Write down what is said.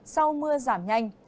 sau mưa giảm nhanh